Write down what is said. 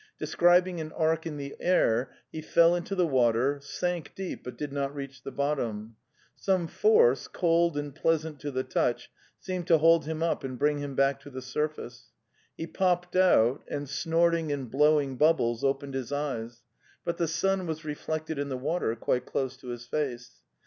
Describing an arc in the air, he fell into the water, sank deep, but did not reach the bottom; some force, cold and pleasant to the touch, seemed to hold him up and bring him back to the surface. He popped out and, snorting and blowing bubbles, opened his eyes; but the sun was reflected in the water quite close to his face.